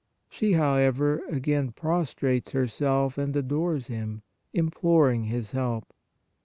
She, however, again prostrates herself and adores Him, imploring His help.